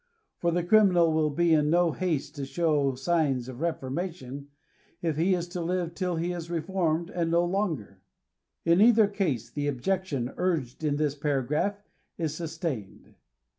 For the criminal will be in no haste to show signs of reformation, if he is to live till he is reformed, and no longer. In either case, the objection urged in this paragraph is sustained.